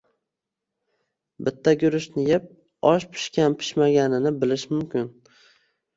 Bitta guruchni yeb, osh pishgan-pishmaganini bilish mumkin